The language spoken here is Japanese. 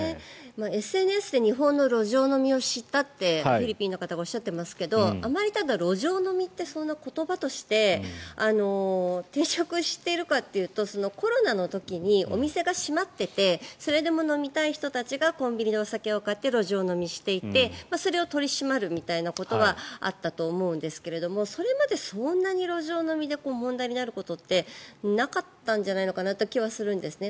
ＳＮＳで日本の路上飲みを知ったってフィリピンの方がおっしゃってますけどあまり路上飲みってそんな言葉として定着しているかというとコロナの時にお店が閉まっていてそれでも飲みたい人たちがコンビニでお酒を買って路上飲みしていてそれを取り締まるみたいなことはあったと思うんですけどそれまでそんなに路上飲みで問題になることってなかったんじゃないのかなという気はするんですね。